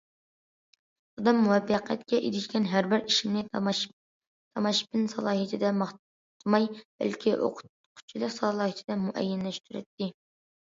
دادام مۇۋەپپەقىيەتكە ئېرىشكەن ھەر بىر ئىشىمنى تاماشىبىن سالاھىيىتىدە ماختىماي، بەلكى ئوقۇتقۇچىلىق سالاھىيىتىدە مۇئەييەنلەشتۈرەتتى.